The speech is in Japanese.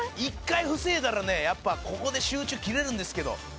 「１回防いだらねやっぱここで集中切れるんですけど」